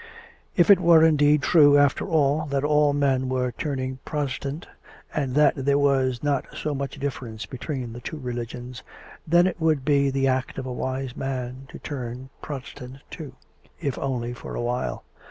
If it were indeed true, after all, that all men were turning Protestant, and that there was not so much difference between the two religions, then it would be the act of a wise man to turn Protestant too, if only for a while.